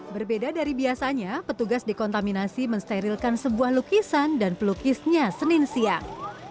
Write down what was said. berbeda dari biasanya petugas dekontaminasi mensterilkan sebuah lukisan dan pelukisnya senin siang